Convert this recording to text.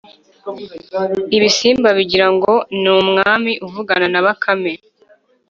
ibisimba bigira ngo ni umwami uvugana na bakame.